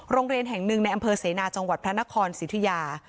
โรงเรียนแห่งหนึ่งในอำเภอเสนาจังหวัดพระนครสิทธิยา